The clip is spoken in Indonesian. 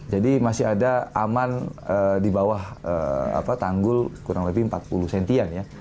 jadi masih ada aman di bawah tanggul kurang lebih empat puluh cm an ya